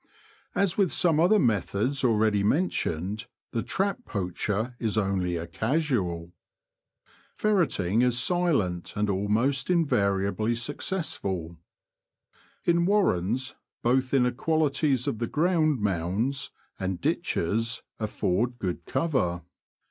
As with some other methods already mentioned, the trap poacher is only a casual. Ferretting is silent and almost invariably successful. In warrens, both inequalities of the ground, ^ mounds, and r^^^k '^^, ditches af ford good cover.